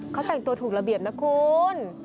เขาแต่งตัวถูกระเบียบนะคุณ